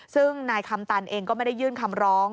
ซึ่งนายคำตันเองก็ไม่ได้ยื่นคำร้อง